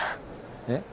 えっ？